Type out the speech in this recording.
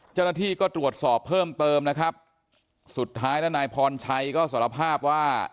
เจ้าหน้าที่ก็ตรวจสอบเพิ่มเติมนะครับสุดท้ายแล้วนายพรชัยก็สารภาพว่า